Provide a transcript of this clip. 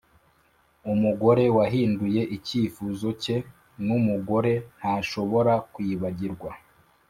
umugore wahinduye icyifuzo cye numugore ntashobora kwibagirwa.